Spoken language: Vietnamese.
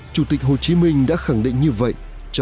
chủ tịch hồ chí minh đã khẳng định như vậy